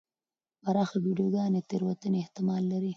پراخه ویډیوګانې د تېروتنې احتمال لري.